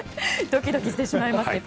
ドキドキしてしまいますね。